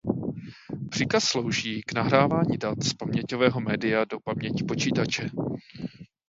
Příkaz slouží k nahrávání dat z paměťového média do paměti počítače.